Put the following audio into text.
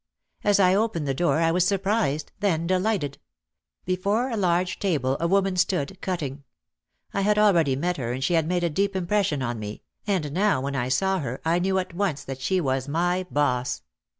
As I opened the door I was surprised, then delighted. Before a large table a woman stood, cutting. I had already met her and she had made a deep impression on me, and now when I saw her I knew at once that she was my "boss."